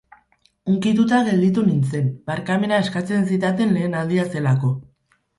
Hunkituta gelditu nintzen, barkamena eskatzen zidaten lehen aldia zelako.